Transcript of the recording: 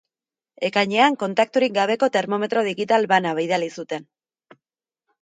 Ekainean kontakturik gabeko termometro digital bana bidali zuten.